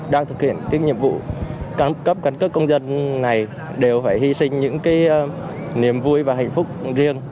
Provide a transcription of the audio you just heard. đang thực hiện nhiệm vụ cấp căn cước công dân này đều phải hy sinh những niềm vui và hạnh phúc riêng